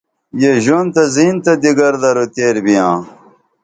یہ ژوند تہ زین تہ دِگر درو تیر بیاں